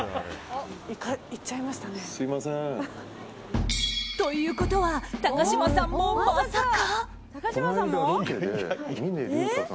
行っちゃいましたね。ということは高嶋さんも、まさか。